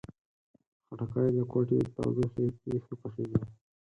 خټکی د کوټې تودوخې کې ښه پخیږي.